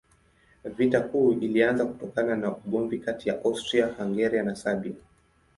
Vita Kuu ilianza kutokana na ugomvi kati ya Austria-Hungaria na Serbia.